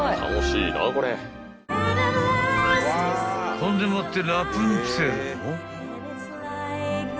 ［ほんでもって］